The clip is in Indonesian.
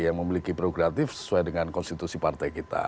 yang memiliki prokreatif sesuai dengan konstitusi partai kita